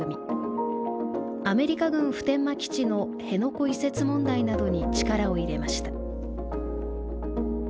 アメリカ軍普天間基地の辺野古移設問題などに力を入れました。